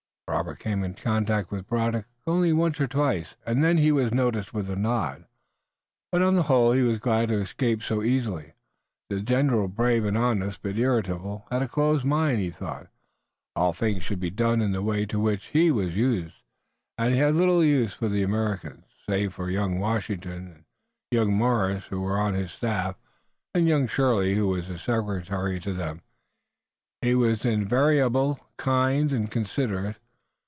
Robert came into contact with Braddock only once or twice, and then he was noticed with a nod, but on the whole he was glad to escape so easily. The general brave and honest, but irritable, had a closed mind. He thought all things should be done in the way to which he was used, and he had little use for the Americans, save for young Washington, and young Morris, who were on his staff, and young Shirley who was his secretary. To them he was invariably kind and considerate.